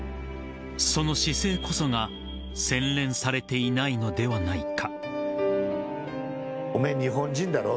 ［その姿勢こそが洗練されていないのではないか］